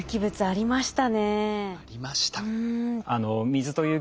ありました。